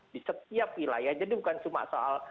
di setiap wilayah jadi bukan cuma soal